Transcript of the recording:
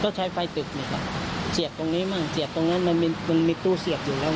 ก็ใช้ไฟตึกนี่ค่ะเสียกตรงนี้มั่งเสียกตรงนั้นมันมีตู้เสียกอยู่แล้วน่ะ